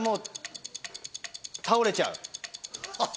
倒れちゃう。